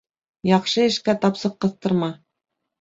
Яҡшы эшкә тапсыҡ ҡыҫтырма.